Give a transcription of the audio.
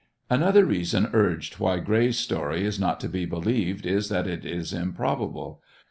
Another reason urged why Gray's story is not to be believed is, that it is improbable.